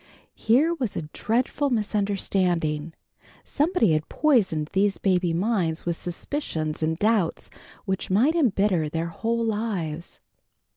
Here was a dreadful misunderstanding. Somebody had poisoned these baby minds with suspicions and doubts which might embitter their whole lives.